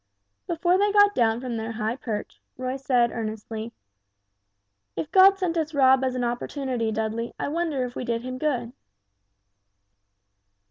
Before they got down from their high perch, Roy said, earnestly, "If God sent us Rob as an opportunity, Dudley, I wonder if we did him good."